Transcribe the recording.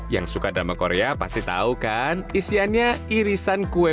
yang suka drama korea pasti tahu kan isiannya irisan kue